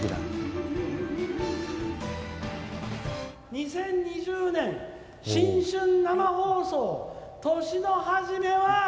「２０２０年新春生放送年の初めは」。